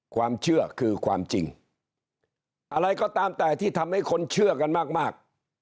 ความเชื่อคือความจริงอะไรก็ตามแต่ที่ทำให้คนเชื่อกันมาก